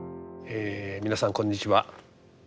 え皆さんこんにちは。